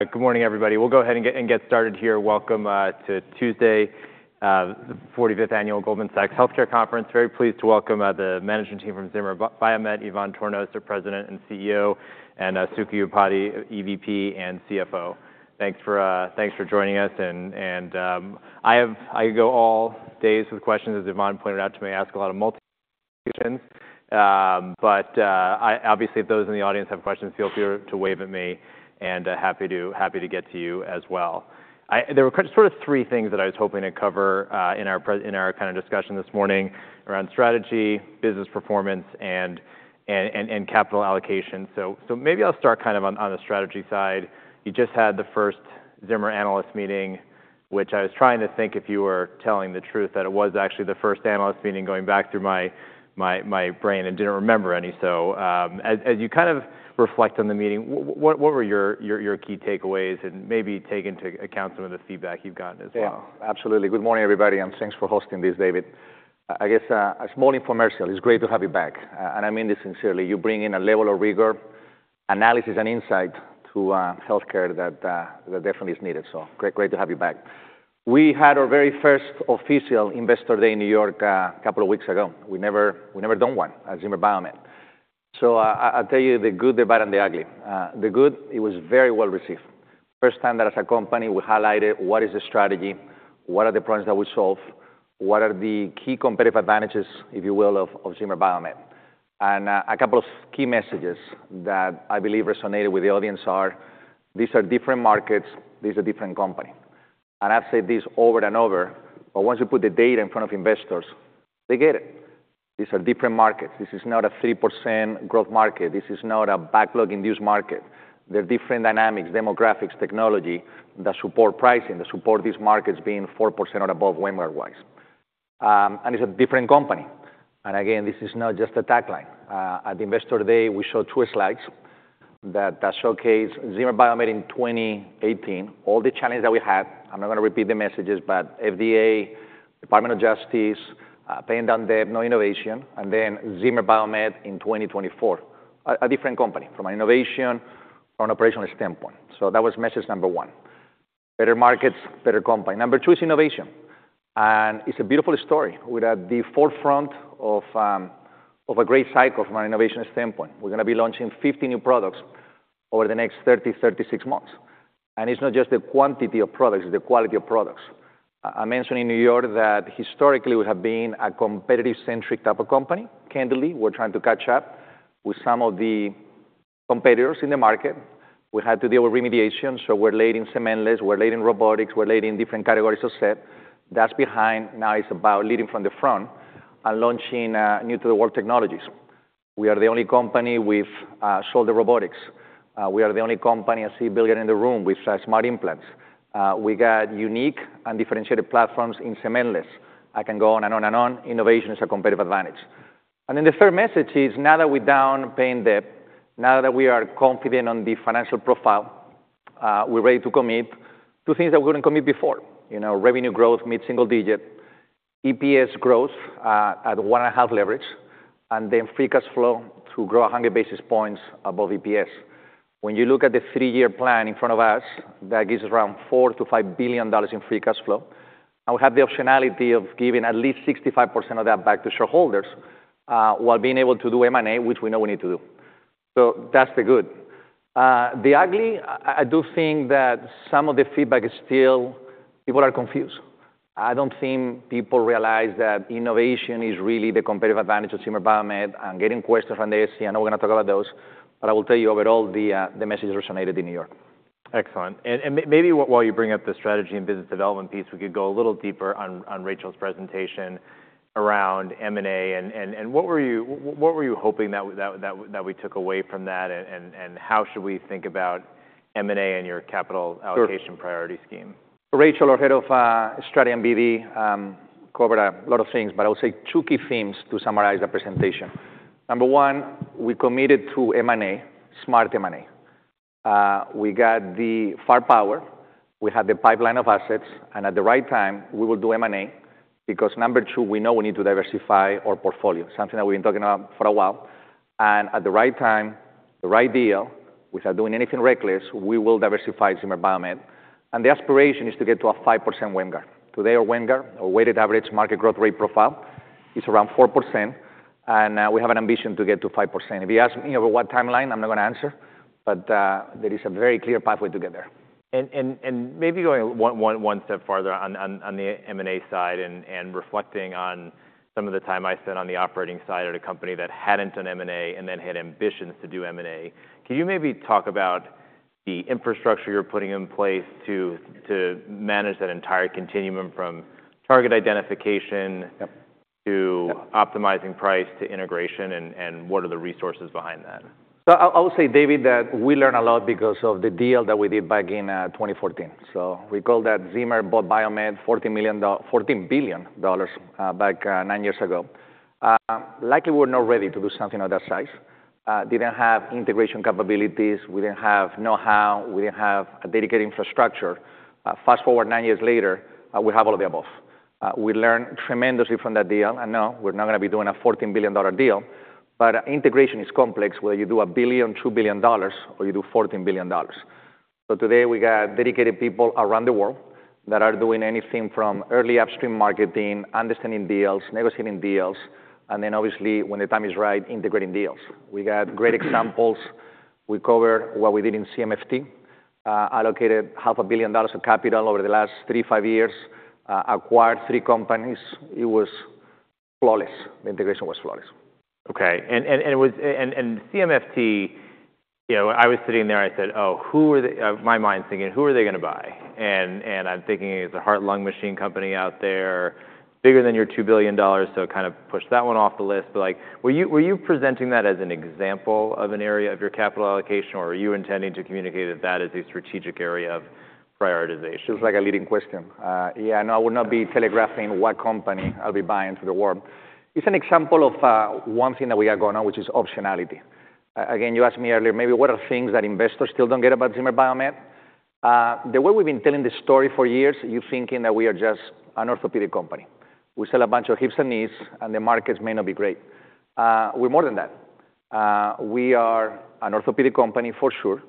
Good morning, everybody. We'll go ahead and get started here. Welcome to Tuesday's 45th Annual Goldman Sachs Healthcare Conference. Very pleased to welcome the management team from Zimmer Biomet, Ivan Tornos, their President and CEO, and Suky Upadhyay, EVP and CFO. Thanks for joining us. I go all days with questions, as Ivan pointed out to me. I ask a lot of multiple questions. Obviously, if those in the audience have questions, feel free to wave at me. Happy to get to you as well. There were sort of three things that I was hoping to cover in our kind of discussion this morning around strategy, business performance, and capital allocation. Maybe I'll start kind of on the strategy side. You just had the first Zimmer analyst meeting, which I was trying to think if you were telling the truth that it was actually the first analyst meeting going back through my brain and didn't remember any. So as you kind of reflect on the meeting, what were your key takeaways and maybe take into account some of the feedback you've gotten as well? Yeah, absolutely. Good morning, everybody, and thanks for hosting this, David. I guess a small infomercial. It's great to have you back. And I mean this sincerely. You bring in a level of rigor, analysis, and insight to healthcare that definitely is needed. So great to have you back. We had our very first official Investor Day in New York a couple of weeks ago. We never done one at Zimmer Biomet. So I'll tell you the good, the bad, and the ugly. The good, it was very well received. First time that as a company, we highlighted what is the strategy, what are the problems that we solve, what are the key competitive advantages, if you will, of Zimmer Biomet. And a couple of key messages that I believe resonated with the audience are, these are different markets, these are different companies. I've said this over and over, but once you put the data in front of investors, they get it. These are different markets. This is not a 3% growth market. This is not a backlog-induced market. There are different dynamics, demographics, technology that support pricing, that support these markets being 4% or above WAMGR-wise. And it's a different company. And again, this is not just a tagline. At Investor Day, we showed two slides that showcase Zimmer Biomet in 2018, all the challenges that we had. I'm not going to repeat the messages, but FDA, Department of Justice, paying down debt, no innovation, and then Zimmer Biomet in 2024. A different company from an innovation, from an operational standpoint. So that was message number one. Better markets, better company. Number two is innovation. It's a beautiful story with at the forefront of a great cycle from an innovation standpoint. We're going to be launching 50 new products over the next 30-36 months. It's not just the quantity of products, it's the quality of products. I mentioned in New York that historically we have been a competitive-centric type of company. Candidly, we're trying to catch up with some of the competitors in the market. We had to deal with remediation. We're leading cementless, we're leading robotics, we're leading different categories of S.E.T. That's behind. Now it's about leading from the front and launching new-to-the-world technologies. We are the only company with shoulder robotics. We are the only company I see a builder in the room with smart implants. We got unique and differentiated platforms in cementless. I can go on and on and on. Innovation is a competitive advantage. And then the third message is now that we're down paying debt, now that we are confident on the financial profile, we're ready to commit to two things that we wouldn't commit before. Revenue growth mid-single-digit, EPS growth at 1.5 leverage, and then free cash flow to grow 100 basis points above EPS. When you look at the three-year plan in front of us, that gives us around $4-$5 billion in free cash flow. And we have the optionality of giving at least 65% of that back to shareholders while being able to do M&A, which we know we need to do. So that's the good. The ugly, I do think that some of the feedback is still people are confused. I don't think people realize that innovation is really the competitive advantage of Zimmer Biomet and getting questions from the SEC. We're going to talk about those. I will tell you overall, the message resonated in New York. Excellent. And maybe while you bring up the strategy and business development piece, we could go a little deeper on Rachel's presentation around M&A. And what were you hoping that we took away from that? And how should we think about M&A and your capital allocation priority scheme? Rachel Ellingson our head for Strategy and BD covered a lot of things, but I will say 2 key themes to summarize the presentation. Number one, we committed to M&A, smart M&A. We got the firepower. We had the pipeline of assets. And at the right time, we will do M&A because number two, we know we need to diversify our portfolio, something that we've been talking about for a while. And at the right time, the right deal, without doing anything reckless, we will diversify Zimmer Biomet. And the aspiration is to get to a 5% WAMGR. Today, our WAMGR, our weighted average market growth rate profile, is around 4%. And we have an ambition to get to 5%. If you ask me over what timeline, I'm not going to answer. But there is a very clear pathway to get there. And maybe going one step farther on the M&A side and reflecting on some of the time I spent on the operating side at a company that hadn't done M&A and then had ambitions to do M&A, can you maybe talk about the infrastructure you're putting in place to manage that entire continuum from target identification to optimizing price to integration? And what are the resources behind that? So I will say, David, that we learned a lot because of the deal that we did back in 2014. So we called that Zimmer Biomet $14 billion back nine years ago. Likely, we were not ready to do something of that size. Didn't have integration capabilities. We didn't have know-how. We didn't have a dedicated infrastructure. Fast forward nine years later, we have all of the above. We learned tremendously from that deal. And no, we're not going to be doing a $14 billion deal. But integration is complex, whether you do $1 billion, $2 billion, or you do $14 billion. So today, we got dedicated people around the world that are doing anything from early upstream marketing, understanding deals, negotiating deals, and then obviously, when the time is right, integrating deals. We got great examples. We covered what we did in CMFT. Allocated $500 million of capital over the last 3, 5 years. Acquired 3 companies. It was flawless. The integration was flawless. OK. And CMFT, I was sitting there, I said, oh, who am I thinking, who are they going to buy? And I'm thinking it's a heart, lung machine company out there, bigger than your $2 billion. So kind of push that one off the list. But were you presenting that as an example of an area of your capital allocation? Or are you intending to communicate that as a strategic area of prioritization? It was like a leading question. Yeah, no, I will not be telegraphing what company I'll be buying to the world. It's an example of one thing that we are going on, which is optionality. Again, you asked me earlier, maybe what are things that investors still don't get about Zimmer Biomet? The way we've been telling the story for years, you're thinking that we are just an orthopedic company. We sell a bunch of hips and knees, and the markets may not be great. We're more than that. We are an orthopedic company, for sure.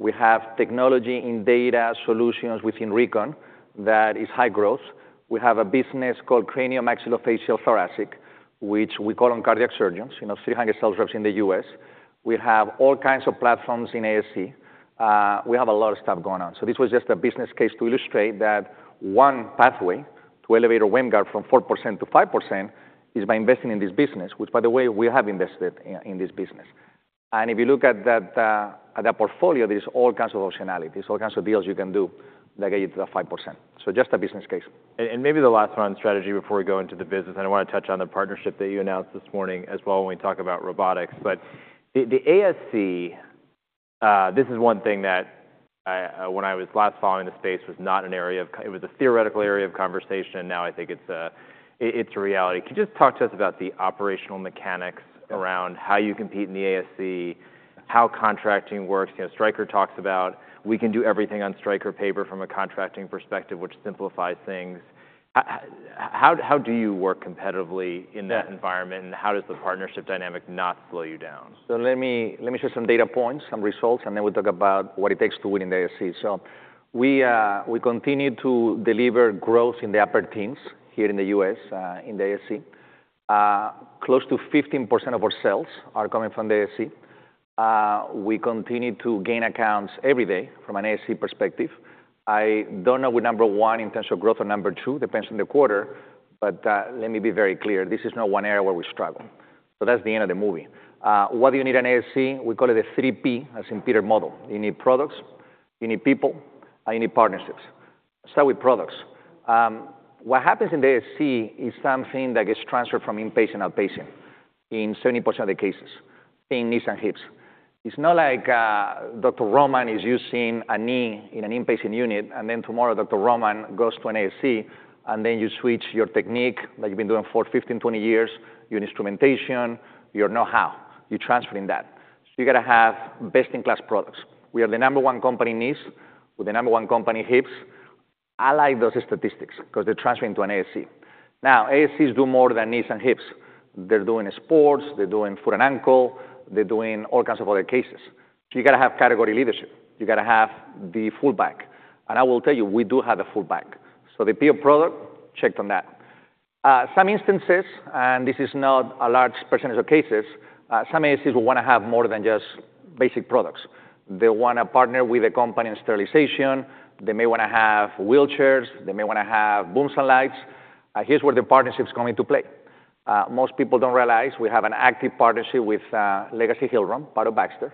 We have technology in data solutions within Recon that is high growth. We have a business called Cranial, Maxillofacial, Thoracic, which we call on cardiac surgeons, 300 sales reps in the U.S. We have all kinds of platforms in ASC. We have a lot of stuff going on. This was just a business case to illustrate that one pathway to elevate our WAMGR from 4%-5% is by investing in this business, which, by the way, we have invested in this business. If you look at that portfolio, there's all kinds of optionality, all kinds of deals you can do that get you to that 5%. Just a business case. Maybe the last one on strategy before we go into the business, and I want to touch on the partnership that you announced this morning as well when we talk about robotics. But the ASC, this is one thing that when I was last following the space was not an area, it was a theoretical area of conversation. Now I think it's a reality. Can you just talk to us about the operational mechanics around how you compete in the ASC, how contracting works? Stryker talks about we can do everything on Stryker paper from a contracting perspective, which simplifies things. How do you work competitively in that environment? And how does the partnership dynamic not slow you down? So let me show some data points, some results, and then we'll talk about what it takes to win in the ASC. So we continue to deliver growth in the upper teens here in the U.S. in the ASC. Close to 15% of our sales are coming from the ASC. We continue to gain accounts every day from an ASC perspective. I don't know if we're number one in terms of growth or number two. Depends on the quarter. But let me be very clear. This is not one area where we struggle. So that's the end of the movie. What do you need in ASC? We call it the 3P model. You need products, you need people, and you need partnerships. Start with products. What happens in the ASC is something that gets transferred from inpatient to outpatient in 70% of the cases, in knees and hips. It's not like Dr. Roman is using a knee in an inpatient unit, and then tomorrow Dr. Roman goes to an ASC, and then you switch your technique that you've been doing for 15, 20 years, your instrumentation, your know-how. You're transferring that. So you've got to have best-in-class products. We are the number one company knees, we're the number one company hips. I like those statistics because they're transferring to an ASC. Now, ASCs do more than knees and hips. They're doing sports, they're doing foot and ankle, they're doing all kinds of other cases. So you've got to have category leadership. You've got to have the full bag. And I will tell you, we do have the full bag. So the P of product, checked on that. Some instances, and this is not a large percentage of cases, some ASCs will want to have more than just basic products. They want to partner with a company in sterilization. They may want to have wheelchairs. They may want to have booms and lights. Here's where the partnership's coming to play. Most people don't realize we have an active partnership with Hillrom, part of Baxter,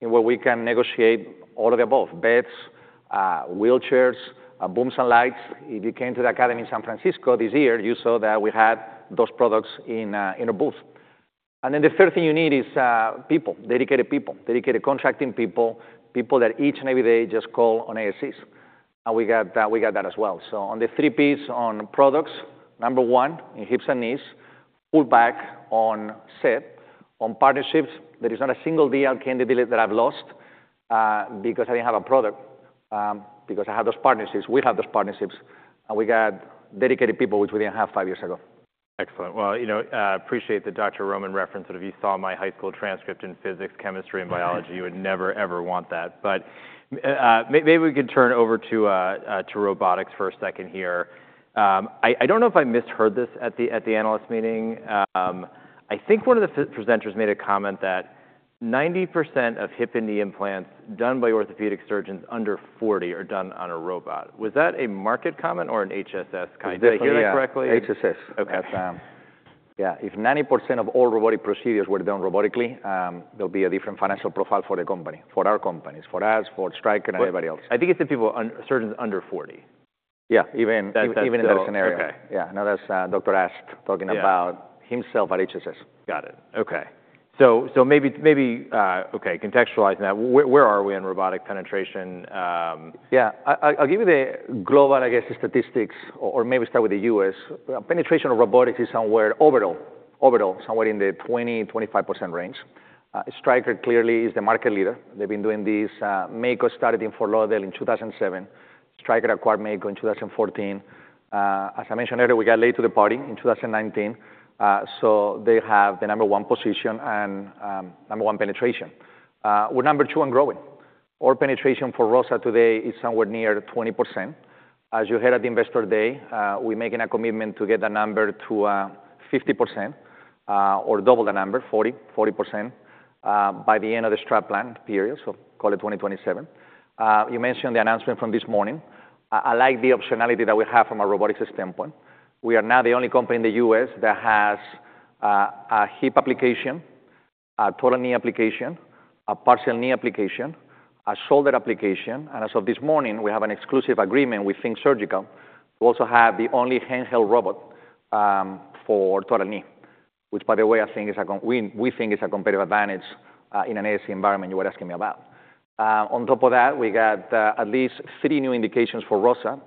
where we can negotiate all of the above, beds, wheelchairs, booms and lights. If you came to the academy in San Francisco this year, you saw that we had those products in our booth. And then the third thing you need is people, dedicated people, dedicated contracting people, people that each and every day just call on ASCs. And we got that as well. So on the 3Ps on products, number one in hips and knees, full back on S.E.T.. On partnerships, there is not a single deal I can't deliver that I've lost because I didn't have a product, because I had those partnerships. We have those partnerships. We got dedicated people, which we didn't have five years ago. Excellent. Well, I appreciate the Dr. Roman reference. If you saw my high school transcript in physics, chemistry, and biology, you would never, ever want that. But maybe we could turn over to robotics for a second here. I don't know if I misheard this at the analyst meeting. I think one of the presenters made a comment that 90% of hip and knee implants done by orthopedic surgeons under 40 are done on a robot. Was that a market comment or an HSS comment? Did I hear that correctly? It's HSS. Yeah, if 90% of all robotic procedures were done robotically, there'll be a different financial profile for the company, for our companies, for us, for Stryker, and everybody else. I think it's the people, surgeons under 40. Yeah, even in that scenario. Yeah, no, that's Dr. Ast talking about himself at HSS. Got it. OK. So maybe, OK, contextualizing that, where are we in robotic penetration? Yeah, I'll give you the global, I guess, statistics, or maybe start with the U.S.. Penetration of robotics is somewhere overall, overall, somewhere in the 20%-25% range. Stryker clearly is the market leader. They've been doing this. Mako started in Fort Lauderdale in 2007. Stryker acquired Mako in 2014. As I mentioned earlier, we got late to the party in 2019. So they have the number one position and number one penetration. We're number two in growth. Our penetration for ROSA today is somewhere near 20%. As you heard at Investor Day, we're making a commitment to get that number to 50% or double that number, 40%, by the end of the STRAT plan period, so call it 2027. You mentioned the announcement from this morning. I like the optionality that we have from a robotics standpoint. We are now the only company in the U.S. that has a hip application, a total knee application, a partial knee application, a shoulder application. And as of this morning, we have an exclusive agreement with THINK Surgical to also have the only handheld robot for total knee, which, by the way, I think is a competitive advantage in an ASC environment you were asking me about. On top of that, we got at least 3 new indications for ROSA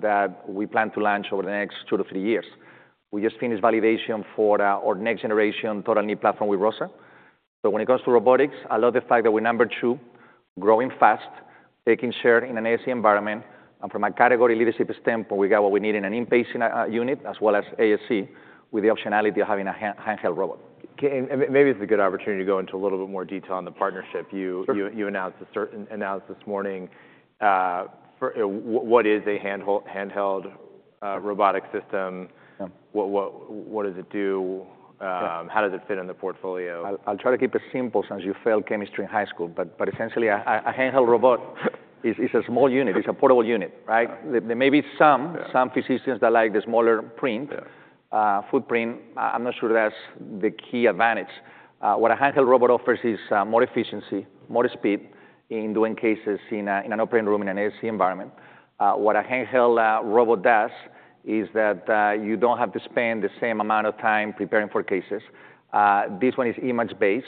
that we plan to launch over the next 2-3 years. We just finished validation for our next generation total knee platform with ROSA. So when it comes to robotics, I love the fact that we're number two, growing fast, taking share in an ASC environment. From a category leadership standpoint, we got what we need in an inpatient unit as well as ASC with the optionality of having a handheld robot. Maybe it's a good opportunity to go into a little bit more detail on the partnership you announced this morning. What is a handheld robotic system? What does it do? How does it fit in the portfolio? I'll try to keep it simple since you failed chemistry in high school. But essentially, a handheld robot is a small unit. It's a portable unit, right? There may be some physicians that like the smaller footprint. I'm not sure that's the key advantage. What a handheld robot offers is more efficiency, more speed in doing cases in an operating room in an ASC environment. What a handheld robot does is that you don't have to spend the same amount of time preparing for cases. This one is image-based,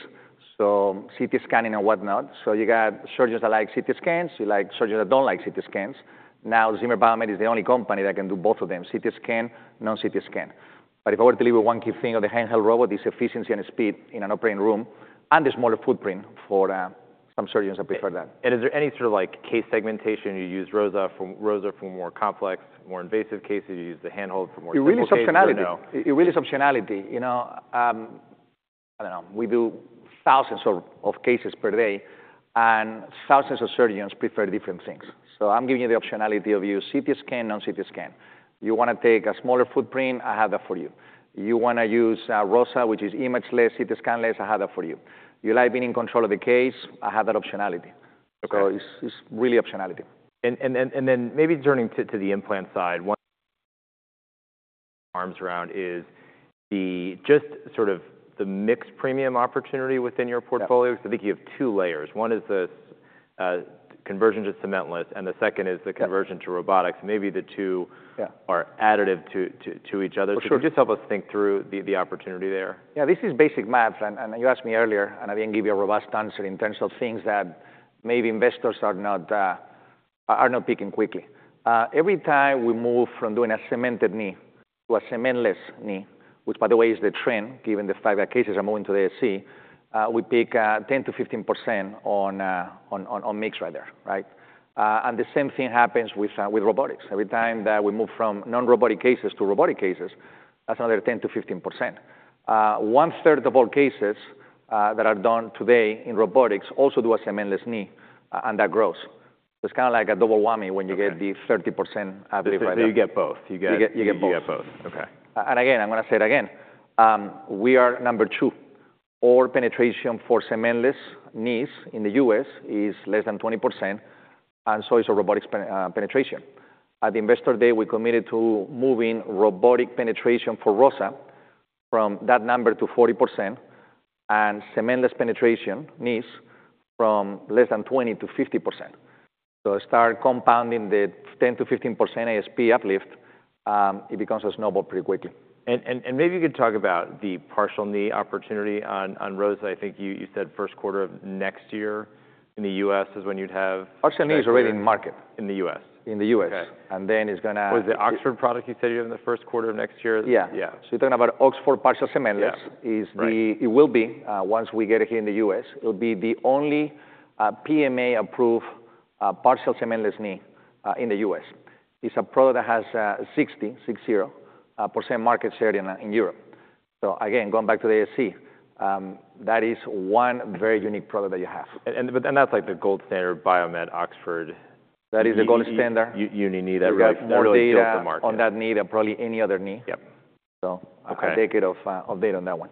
so CT scanning and whatnot. So you got surgeons that like CT scans. You've got surgeons that don't like CT scans. Now, Zimmer Biomet is the only company that can do both of them: CT scan, non-CT scan. If I were to leave with one key thing of the handheld robot, it's efficiency and speed in an operating room and the smaller footprint for some surgeons that prefer that. Is there any sort of case segmentation? You use ROSA for more complex, more invasive cases. You use the handheld for more difficult. It really is optionality. It really is optionality. I don't know. We do thousands of cases per day. And thousands of surgeons prefer different things. So I'm giving you the optionality of your CT scan, non-CT scan. You want to take a smaller footprint, I have that for you. You want to use ROSA, which is image-less, CT scan-less, I have that for you. You like being in control of the case, I have that optionality. So it's really optionality. Then maybe turning to the implant side, one arms around is just sort of the mixed premium opportunity within your portfolio? Because I think you have two layers. One is the conversion to cementless, and the second is the conversion to robotics. Maybe the two are additive to each other. So just help us think through the opportunity there. Yeah, this is basic math. And you asked me earlier, and I didn't give you a robust answer in terms of things that maybe investors are not picking quickly. Every time we move from doing a cemented knee to a cementless knee, which, by the way, is the trend given the fact that cases are moving to the ASC, we pick 10%-15% on mix right there, right? And the same thing happens with robotics. Every time that we move from non-robotic cases to robotic cases, that's another 10%-15%. One third of all cases that are done today in robotics also do a cementless knee, and that grows. It's kind of like a double whammy when you get the 30%, I believe, right now. You get both. You get both. You get both. OK. And again, I'm going to say it again. We are number two. Our penetration for cementless knees in the U.S. is less than 20%. And so is our robotics penetration. At Investor Day, we committed to moving robotic penetration for ROSA from that number to 40% and cementless penetration knees from less than 20% to 50%. So start compounding the 10%-15% ASP uplift. It becomes a snowball pretty quickly. Maybe you could talk about the partial knee opportunity on ROSA. I think you said first quarter of next year in the U.S. is when you'd have. Partial knee is already in market in the U.S. In the U.S. And then it's going to. Was the Oxford product you said you have in the first quarter of next year? Yeah. Yeah. So you're talking about Oxford partial cementless? Yes. It will be, once we get it here in the U.S. It'll be the only PMA-approved partial cementless knee in the U.S. It's a product that has 60% market share in Europe. So again, going back to the ASC, that is one very unique product that you have. That's like the gold standard Biomet Oxford. That is the gold standard. Uni-knee that really floors the market. On that knee than probably any other knee. Yep. I'll take it off, update on that one.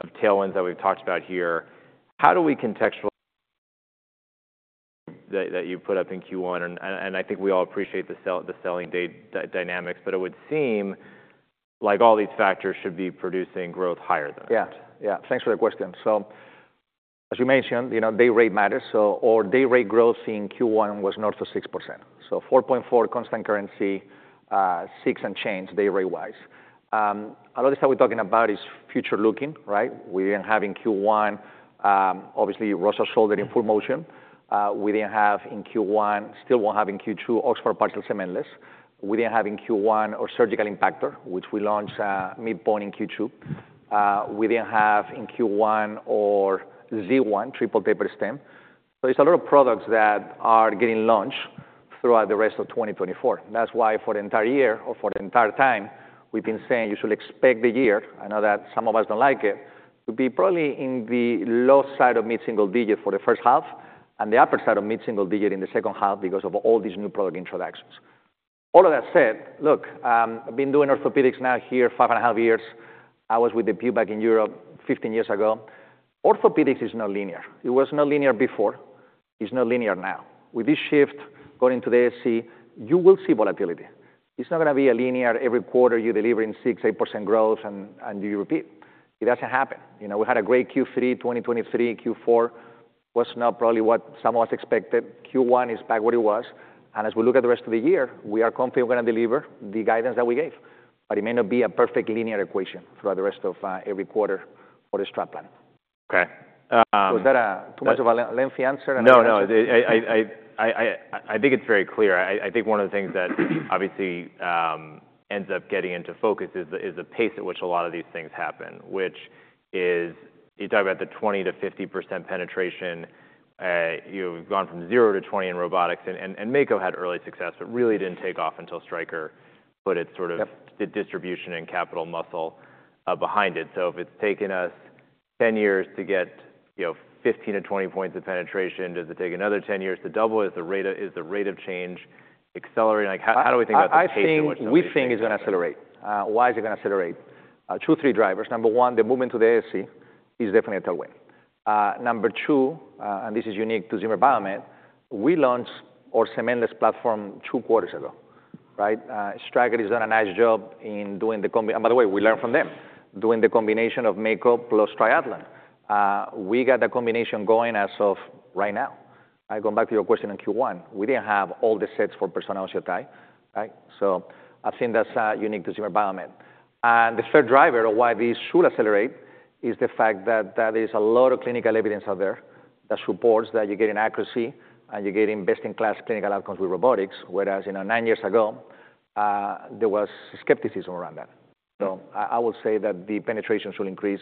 Of tailwinds that we've talked about here, how do we contextualize that you put up in Q1? I think we all appreciate the selling dynamics. It would seem like all these factors should be producing growth higher than that. Yeah, yeah. Thanks for the question. So as you mentioned, day rate matters. So our day rate growth in Q1 was north of 6%. So 4.4% constant currency, 6% and change day rate-wise. A lot of this that we're talking about is future looking, right? We didn't have in Q1, obviously, ROSA Shoulder in full motion. We didn't have in Q1, still won't have in Q2, Oxford partial cementless. We didn't have in Q1 our surgical impactor, which we launched midpoint in Q2. We didn't have in Q1 our Z1 Triple Taper Stem. So there's a lot of products that are getting launched throughout the rest of 2024. That's why for the entire year or for the entire time, we've been saying you should expect the year, I know that some of us don't like it, to be probably in the low side of mid-single digit for the first half and the upper side of mid-single digit in the second half because of all these new product introductions. All of that said, look, I've been doing orthopedics now here five and a half years. I was with the BD back in Europe 15 years ago. Orthopedics is not linear. It was not linear before. It's not linear now. With this shift going into the ASC, you will see volatility. It's not going to be a linear every quarter you deliver in 6%, 8% growth and you repeat. It doesn't happen. We had a great Q3 2023, Q4. It was not probably what some of us expected. Q1 is back where it was. As we look at the rest of the year, we are confident we're going to deliver the guidance that we gave. It may not be a perfect linear equation throughout the rest of every quarter for the STRAT plan. OK. Was that too much of a lengthy answer? No, no. I think it's very clear. I think one of the things that obviously ends up getting into focus is the pace at which a lot of these things happen, which is you talk about the 20%-50% penetration. You've gone from 0%-20% in robotics. And Mako had early success, but really didn't take off until Stryker put its sort of distribution and capital muscle behind it. So if it's taken us 10 years to get 15%-20% points of penetration, does it take another 10 years to double? Is the rate of change accelerating? How do we think about the pace in which things? I think we think it's going to accelerate. Why is it going to accelerate? Two, three drivers. Number one, the movement to the ASC is definitely a tailwind. Number two, and this is unique to Zimmer Biomet, we launched our cementless platform 2 quarters ago, right? Stryker has done a nice job in doing the combination. And by the way, we learned from them doing the combination of Mako plus Triathlon. We got the combination going as of right now. Going back to your question on Q1, we didn't have all the sets for Persona OsseoTi. So I think that's unique to Zimmer Biomet. And the third driver of why this should accelerate is the fact that there is a lot of clinical evidence out there that supports that you're getting accuracy and you're getting best-in-class clinical outcomes with robotics, whereas 9 years ago, there was skepticism around that. I will say that the penetration should increase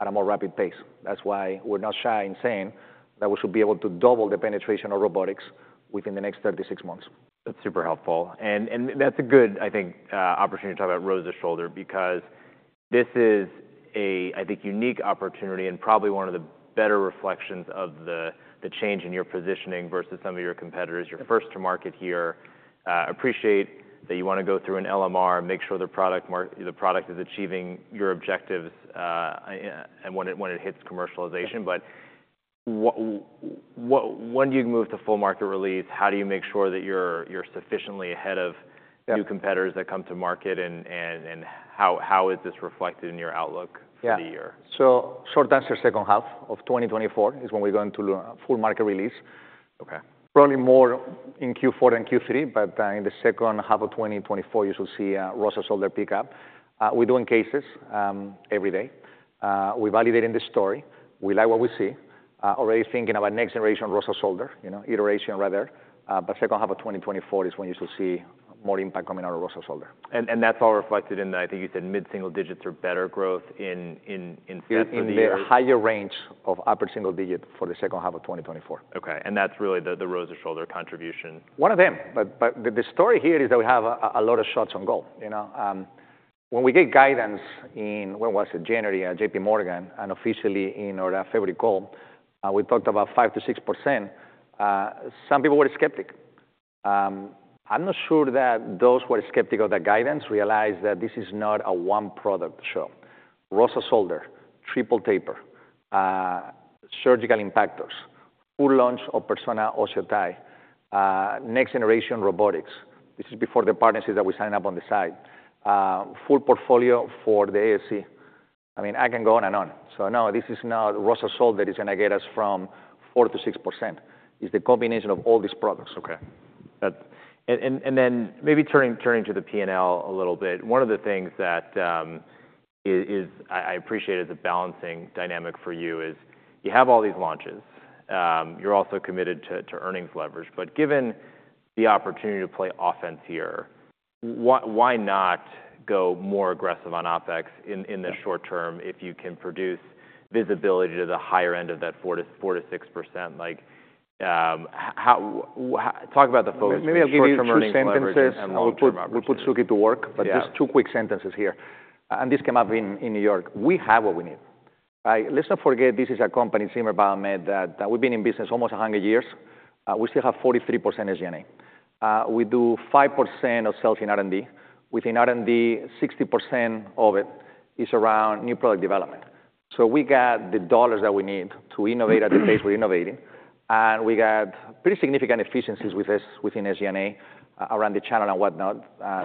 at a more rapid pace. That's why we're not shy in saying that we should be able to double the penetration of robotics within the next 36 months. That's super helpful. And that's a good, I think, opportunity to talk about ROSA Shoulder because this is a, I think, unique opportunity and probably one of the better reflections of the change in your positioning versus some of your competitors. You're first to market here. I appreciate that you want to go through an LMR and make sure the product is achieving your objectives when it hits commercialization. But when do you move to full market release? How do you make sure that you're sufficiently ahead of new competitors that come to market? And how is this reflected in your outlook for the year? Yeah. So short answer, second half of 2024 is when we're going to do a full market release. Probably more in Q4 than Q3. But in the second half of 2024, you should see ROSA Shoulder pick up. We're doing cases every day. We're validating the story. We like what we see. Already thinking about next generation ROSA Shoulder, iteration right there. But second half of 2024 is when you should see more impact coming out of ROSA Shoulder. And that's all reflected in the, I think you said, mid-single digits or better growth in. That's in the higher range of upper single digit for the second half of 2024. OK. That's really the ROSA Shoulder contribution. One of them. But the story here is that we have a lot of shots on goal. When we get guidance in, when was it, January, J.P. Morgan, and officially in our February call, we talked about 5%-6%. Some people were skeptical. I'm not sure that those who were skeptical of that guidance realized that this is not a one product show. ROSA Shoulder, Triple Taper, surgical impactors, full launch of Persona OsseoTi, next generation robotics. This is before the partnership that we signed up on the side. Full portfolio for the ASC. I mean, I can go on and on. So no, this is not ROSA Shoulder that is going to get us from 4%-6%. It's the combination of all these products. OK. And then maybe turning to the P&L a little bit, one of the things that I appreciated the balancing dynamic for you is you have all these launches. You're also committed to earnings leverage. But given the opportunity to play offense here, why not go more aggressive on OpEx in the short term if you can produce visibility to the higher end of that 4%-6%? Talk about the focus for the short term. Maybe I'll give you two sentences. We'll put Suky to work. But just two quick sentences here. And this came up in New York. We have what we need. Let's not forget this is a company, Zimmer Biomet, that we've been in business almost 100 years. We still have 43% SG&A. We do 5% of sales in R&D. Within R&D, 60% of it is around new product development. So we got the dollars that we need to innovate at the pace we're innovating. And we got pretty significant efficiencies within SG&A around the channel and whatnot.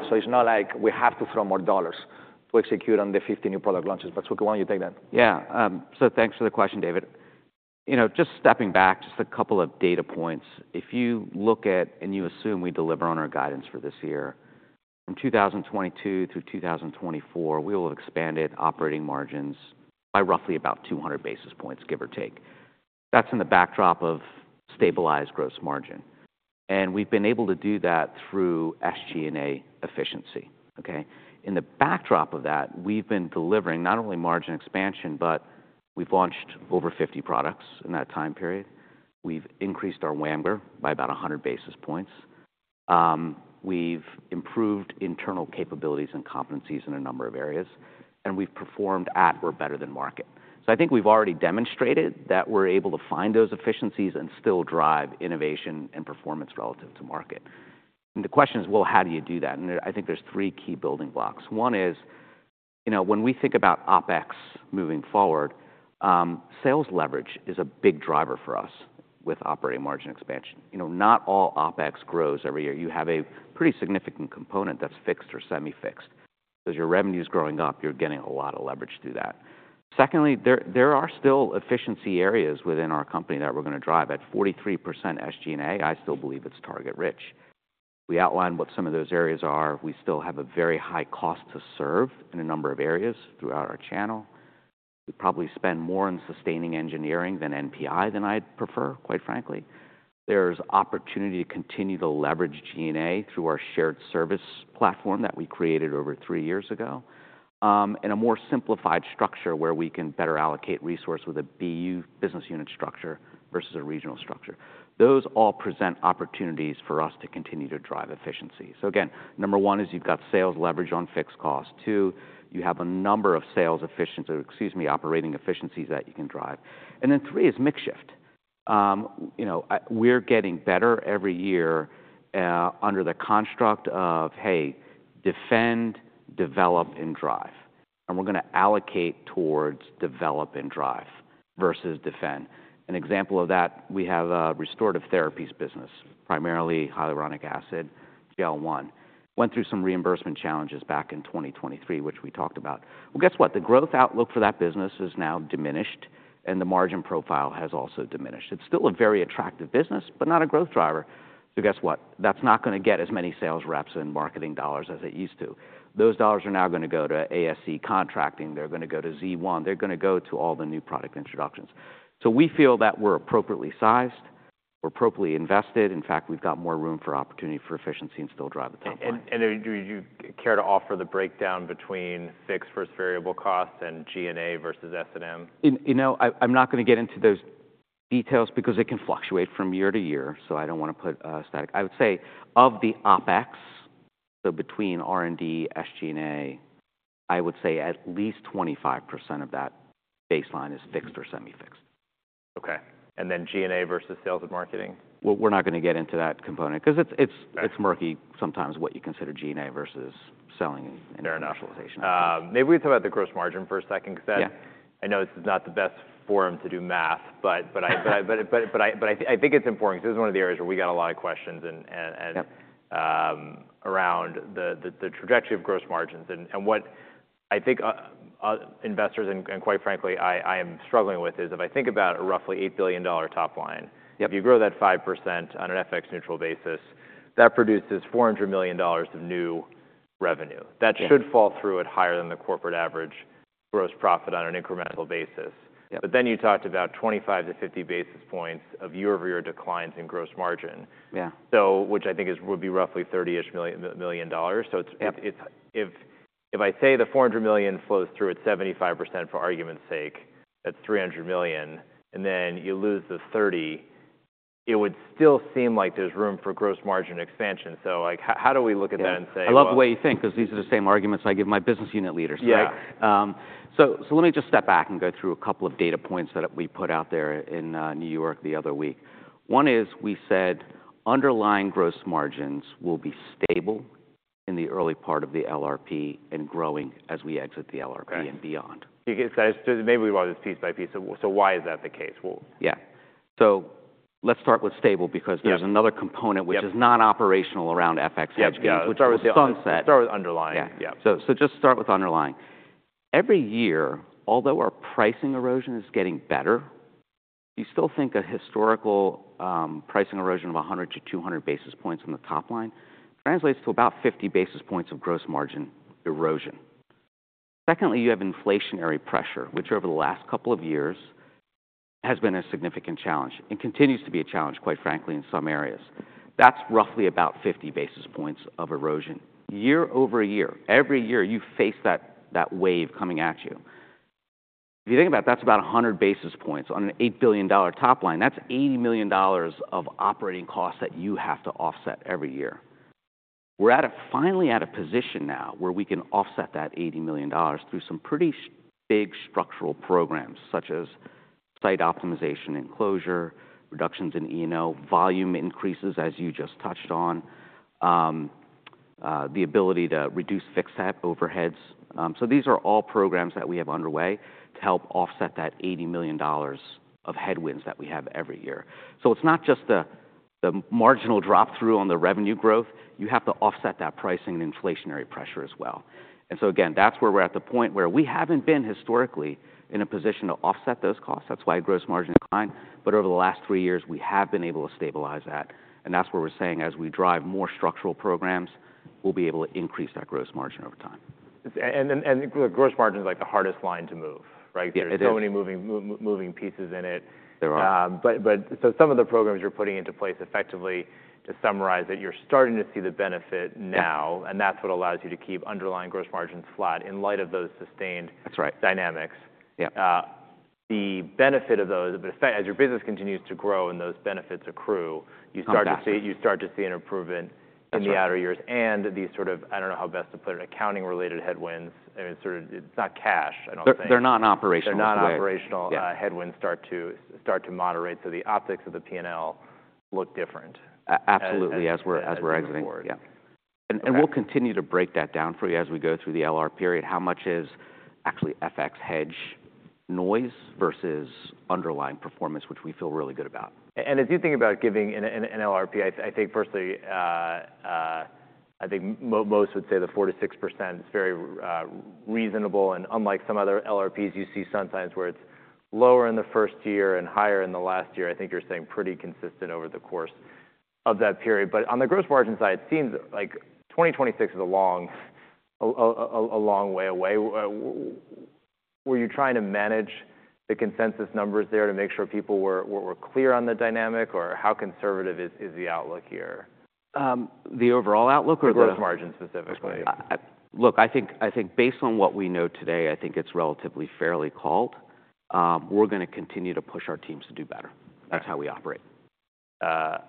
So it's not like we have to throw more dollars to execute on the 50 new product launches. But Suky, why don't you take that? Yeah. So thanks for the question, David. Just stepping back, just a couple of data points. If you look at and you assume we deliver on our guidance for this year, from 2022 through 2024, we will have expanded operating margins by roughly about 200 basis points, give or take. That's in the backdrop of stabilized gross margin. And we've been able to do that through SG&A efficiency. In the backdrop of that, we've been delivering not only margin expansion, but we've launched over 50 products in that time period. We've increased our WAMGR by about 100 basis points. We've improved internal capabilities and competencies in a number of areas. And we've performed at or better than market. So I think we've already demonstrated that we're able to find those efficiencies and still drive innovation and performance relative to market. And the question is, well, how do you do that? I think there's three key building blocks. One is when we think about OpEx moving forward, sales leverage is a big driver for us with operating margin expansion. Not all OpEx grows every year. You have a pretty significant component that's fixed or semi-fixed. As your revenue is growing up, you're getting a lot of leverage through that. Secondly, there are still efficiency areas within our company that we're going to drive. At 43% SG&A, I still believe it's target rich. We outlined what some of those areas are. We still have a very high cost to serve in a number of areas throughout our channel. We probably spend more on sustaining engineering than NPI than I'd prefer, quite frankly. There's opportunity to continue to leverage SG&A through our shared service platform that we created over 3 years ago in a more simplified structure where we can better allocate resources with a BU business unit structure versus a regional structure. Those all present opportunities for us to continue to drive efficiency. So again, number one is you've got sales leverage on fixed costs. Two, you have a number of sales efficiencies, excuse me, operating efficiencies that you can drive. And then three is mixed shift. We're getting better every year under the construct of, hey, defend, develop, and drive. And we're going to allocate towards develop and drive versus defend. An example of that, we have a restorative therapies business, primarily hyaluronic acid, Gel-One. Went through some reimbursement challenges back in 2023, which we talked about. Well, guess what? The growth outlook for that business is now diminished, and the margin profile has also diminished. It's still a very attractive business, but not a growth driver. So guess what? That's not going to get as many sales reps and marketing dollars as it used to. Those dollars are now going to go to ASC contracting. They're going to go to Z1. They're going to go to all the new product introductions. So we feel that we're appropriately sized. We're appropriately invested. In fact, we've got more room for opportunity for efficiency and still drive the top. And do you care to offer the breakdown between fixed versus variable costs and G&A versus S&M? You know, I'm not going to get into those details because it can fluctuate from year to year. So I don't want to put a static. I would say of the OpEx, so between R&D, SG&A, I would say at least 25% of that baseline is fixed or semi-fixed. OK. And then G&A versus sales and marketing? We're not going to get into that component because it's murky sometimes what you consider G&A versus selling and commercialization. Maybe we talk about the gross margin for a second because I know this is not the best forum to do math. But I think it's important because this is one of the areas where we got a lot of questions around the trajectory of gross marginsnn. And what I think investors and quite frankly, I am struggling with is if I think about a roughly $8 billion top line, if you grow that 5% on an FX neutral basis, that produces $400 million of new revenue. That should fall through at higher than the corporate average gross profit on an incremental basis. But then you talked about 25 to 50 basis points of year-over-year declines in gross margin, which I think would be roughly $30-ish million.nn So if I say the $400 million flows through at 75% for argument's sake, that's $300 million, and then you lose the $30, it would still seem like there's room for gross margin expansion. So how do we look at that and say. I love the way you think because these are the same arguments I give my business unit leaders. Let me just step back and go through a couple of data points that we put out there in New York the other week. One is we said underlying gross margins will be stable in the early part of the LRP and growing as we exit the LRP and beyond. Maybe we want to do this piece by piece. So why is that the case? Yeah. So let's start with stable because there's another component which is non-operational around FX hedge gap, which is sunset. Start with underlying. Yeah. So just start with underlying. Every year, although our pricing erosion is getting better, you still think a historical pricing erosion of 100-200 basis points on the top line translates to about 50 basis points of gross margin erosion. Secondly, you have inflationary pressure, which over the last couple of years has been a significant challenge and continues to be a challenge, quite frankly, in some areas. That's roughly about 50 basis points of erosion. Year over year, every year you face that wave coming at you. If you think about it, that's about 100 basis points on an $8 billion top line. That's $80 million of operating costs that you have to offset every year. We're finally at a position now where we can offset that $80 million through some pretty big structural programs, such as site optimization and closure, reductions in E&O, volume increases, as you just touched on, the ability to reduce fixed set overheads. So these are all programs that we have underway to help offset that $80 million of headwinds that we have every year. So it's not just the marginal drop-through on the revenue growth. You have to offset that pricing and inflationary pressure as well. And so again, that's where we're at the point where we haven't been historically in a position to offset those costs. That's why gross margin is fine. But over the last three years, we have been able to stabilize that. And that's where we're saying as we drive more structural programs, we'll be able to increase that gross margin over time. The gross margin is like the hardest line to move. There's so many moving pieces in it. There are. But some of the programs you're putting into place effectively, to summarize it, you're starting to see the benefit now. And that's what allows you to keep underlying gross margins flat in light of those sustained dynamics. That's right. The benefit of those, as your business continues to grow and those benefits accrue, you start to see an improvement in the outer years. And these sort of, I don't know how best to put it, accounting-related headwinds. It's not cash, I don't think. They're not operational. They're not operational. Headwinds start to moderate. So the optics of the P&L look different. Absolutely, as we're exiting. Yeah. And we'll continue to break that down for you as we go through the LR period. How much is actually FX hedge noise versus underlying performance, which we feel really good about? As you think about giving an LRP, I think firstly, I think most would say the 4%-6% is very reasonable. Unlike some other LRPs, you see sometimes where it's lower in the first year and higher in the last year. I think you're staying pretty consistent over the course of that period. But on the gross margin side, it seems like 2026 is a long way away. Were you trying to manage the consensus numbers there to make sure people were clear on the dynamic? Or how conservative is the outlook here? The overall outlook or the. The gross margin specifically. Look, I think based on what we know today, I think it's relatively fairly called. We're going to continue to push our teams to do better. That's how we operate.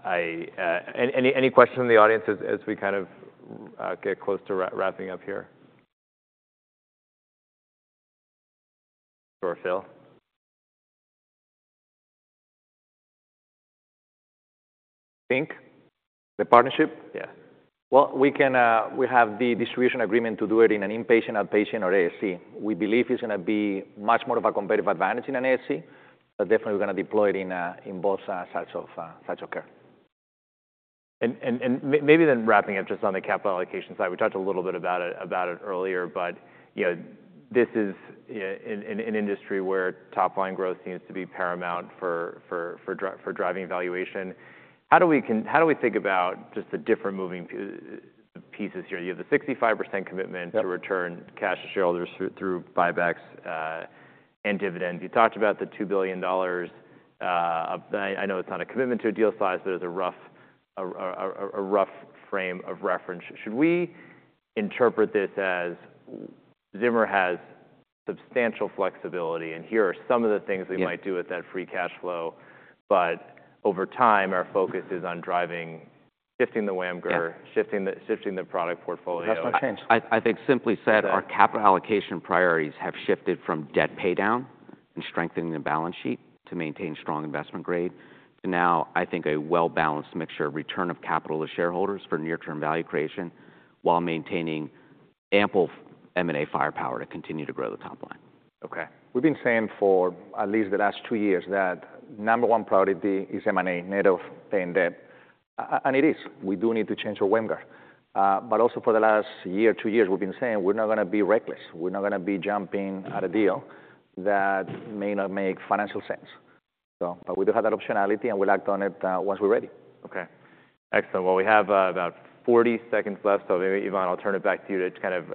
Any questions from the audience as we kind of get close to wrapping up here? Or Phil? Think? The partnership? Yeah. Well, we have the distribution agreement to do it in an inpatient, outpatient, or ASC. We believe it's going to be much more of a competitive advantage in an ASC. But definitely, we're going to deploy it in both sides of care. Maybe then wrapping up just on the capital allocation side. We talked a little bit about it earlier. But this is an industry where top line growth seems to be paramount for driving valuation. How do we think about just the different moving pieces here? You have the 65% commitment to return cash to shareholders through buybacks and dividends. You talked about the $2 billion. I know it's not a commitment to a deal size, but it's a rough frame of reference. Should we interpret this as Zimmer has substantial flexibility, and here are some of the things we might do with that free cash flow? Over time, our focus is on driving, shifting the WAMGR, shifting the product portfolio. That's not changed. I think, simply said, our capital allocation priorities have shifted from debt pay down and strengthening the balance sheet to maintain strong investment grade to now, I think, a well-balanced mixture of return of capital to shareholders for near-term value creation while maintaining ample M&A firepower to continue to grow the top line. OK. We've been saying for at least the last two years that number one priority is M&A, net of paying debt. And it is. We do need to change our WAMGR. But also for the last year, two years, we've been saying we're not going to be reckless. We're not going to be jumping at a deal that may not make financial sense. But we do have that optionality, and we'll act on it once we're ready. OK. Excellent. Well, we have about 40 seconds left. So Ivan, I'll turn it back to you to kind of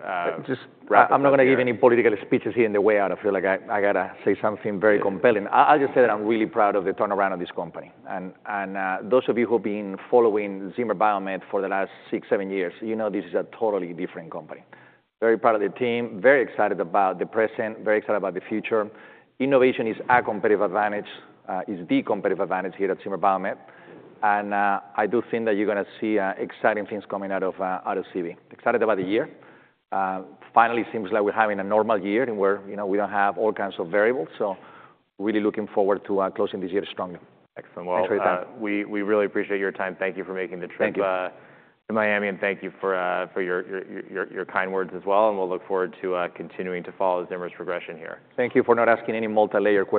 wrap up. I'm not going to give any political speeches here in the way. I feel like I got to say something very compelling. I'll just say that I'm really proud of the turnaround of this company. And those of you who have been following Zimmer Biomet for the last six, seven years, you know this is a totally different company. Very proud of the team, very excited about the present, very excited about the future. Innovation is a competitive advantage. It's the competitive advantage here at Zimmer Biomet. And I do think that you're going to see exciting things coming out of ZB. Excited about the year. Finally, it seems like we're having a normal year where we don't have all kinds of variables. So really looking forward to closing this year strongly. Excellent. Well, we really appreciate your time. Thank you for making the trip to Miami, and thank you for your kind words as well. We'll look forward to continuing to follow Zimmer's progression here. Thank you for not asking any multilayer questions.